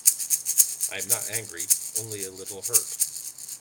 I am not angry, only a little hurt.